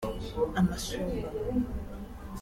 amasumo